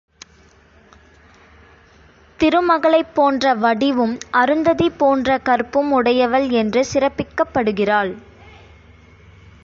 திருமகளைப் போன்ற வடிவும், அருந்ததி போன்ற கற்பும் உடையவள் என்று சிறப்பிக்கப்படுகிறாள்.